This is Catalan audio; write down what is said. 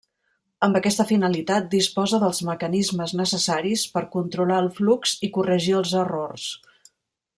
Amb aquesta finalitat disposa dels mecanismes necessaris per controlar el flux i corregir els errors.